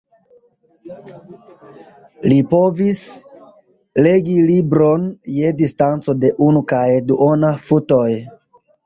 Li povis "legi libron je distanco de unu kaj duona futoj".